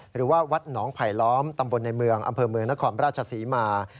หรือว่าวัดหนองไผลล้อมตำบลในเมืองอำเภอเมืองนครราชศรีมา